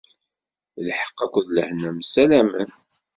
Lḥeqq akked lehna msalamen.